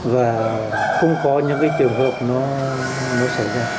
và không có những cái trường hợp nó mới xảy ra